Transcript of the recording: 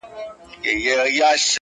د غم کور به وي سوځلی د ښادۍ قاصد راغلی،